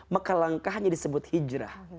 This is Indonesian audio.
maka langkahnya disebut hijrah